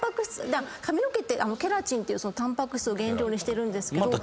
髪の毛ってケラチンっていうタンパク質原料にしてるんですけど。